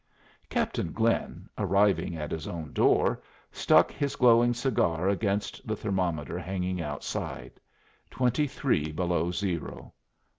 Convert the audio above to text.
Captain Glynn, arriving at his own door, stuck his glowing cigar against the thermometer hanging outside: twenty three below zero.